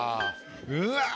うわ。